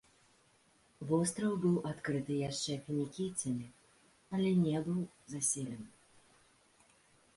Востраў быў адкрыты яшчэ фінікійцамі, але не быў заселены.